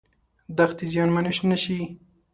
دښتې زیانمنې نشي.